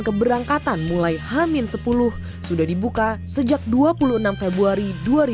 pembelian tiket kereta api jarak jauh mudik lebaran keberangkatan mulai h sepuluh sudah dibuka sejak dua puluh enam februari dua ribu dua puluh tiga